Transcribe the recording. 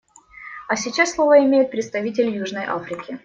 А сейчас слово имеет представитель Южной Африки.